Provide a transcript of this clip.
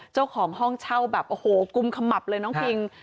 เจ้าของห้องเช่าแบบโอ้โหกุมขมับเลยน้องคิง